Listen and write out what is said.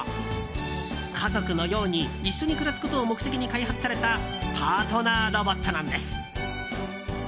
家族のように一緒に暮らすことを目的に開発されたパートナーロボットなんです。